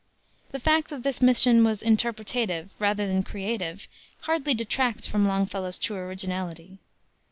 The fact that this mission was interpretative, rather than creative, hardly detracts from Longfellow's true originality.